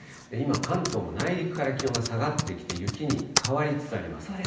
今、関東の内陸から気温が下がってきて、雪に変わりつつあります。